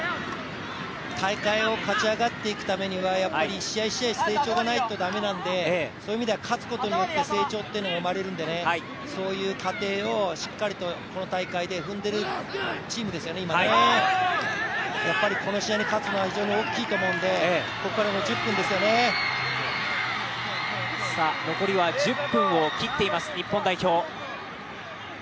大会を勝ち上がっていくためには１試合１試合成長がないといけないのでそういう意味では勝つことによって成長が生まれるんでね、そういう過程をしっかりと、この大会で踏んでいるチームですよね、今やっぱりこの試合に勝つのは非常に大きいと思うので残りは１０分を切っています日本代表。